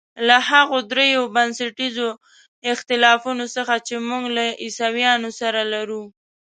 له هغو درېیو بنسټیزو اختلافونو څخه چې موږ له عیسویانو سره لرو.